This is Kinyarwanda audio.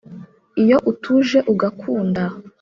Iyo utuje ugakunda